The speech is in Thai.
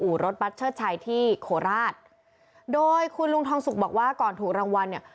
รถบัตรเชิดชัยที่โคราชโดยคุณลุงทองสุกบอกว่าก่อนถูกรางวัลเนี่ย